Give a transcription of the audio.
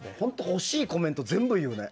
欲しいコメントを全部言うね。